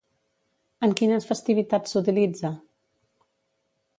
En quines festivitats s'utilitza?